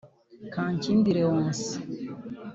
Kankindi Leoncie